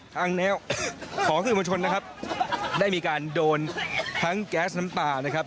แนวของสื่อมวลชนนะครับได้มีการโดนทั้งแก๊สน้ำตานะครับ